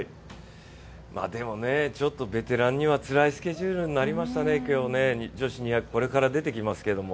でも、ベテランにはつらいスケジュールになりましたね女子２００ｍこれから出てきますけど。